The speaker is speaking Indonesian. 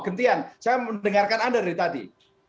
gentian saya mendengarkan anda dari tadi